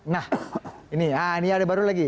nah ini ada baru lagi